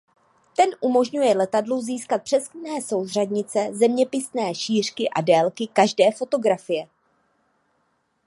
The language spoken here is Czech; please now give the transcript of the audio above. Ten umožňuje letadlu získat přesné souřadnice zeměpisné šířky a délky každé fotografie.